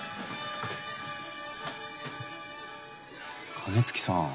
金築さん。